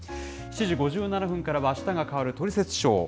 ７時５７分からはあしたが変わるトリセツショー。